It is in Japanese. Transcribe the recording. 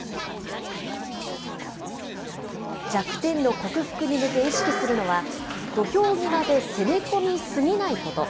弱点の克服に向け意識するのは、土俵際で攻め込み過ぎないこと。